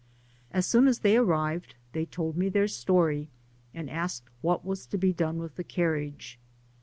As soon as they arrived, they told me their story, and asked what was to be done with the carriage ♦.